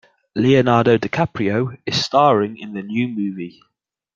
Leonardo DiCaprio is staring in the new movie.